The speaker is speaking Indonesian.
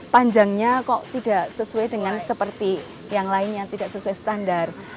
panjangnya kok tidak sesuai dengan seperti yang lainnya tidak sesuai standar